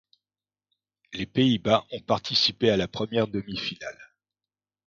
Les Pays-Bas ont participé à la première demi-finale.